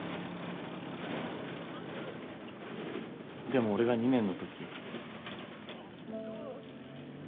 でも俺が２年の時。